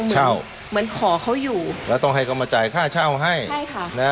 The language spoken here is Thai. เช่าเหมือนขอเขาอยู่แล้วต้องให้เขามาจ่ายค่าเช่าให้ใช่ค่ะนะ